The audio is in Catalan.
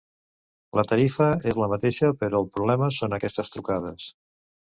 La tarifa és la mateixa però el problema són aquestes trucades.